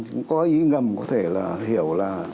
cũng có ý ngầm có thể là hiểu là